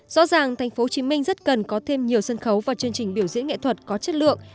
rõ ràng tp hcm rất cần có thêm nhiều sân khấu và chương trình biểu diễn nghệ thuật có chất lượng